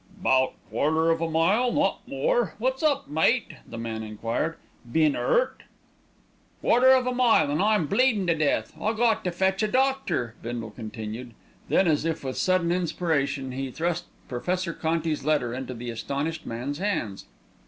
"'Bout quarter of a mile, not more. What's up, mate?" the man enquired. "Been 'urt?" "Quarter of a mile, and 'im bleedin' to death! I got to fetch a doctor," Bindle continued. Then, as if with sudden inspiration, he thrust Professor Conti's letter into the astonished man's hands.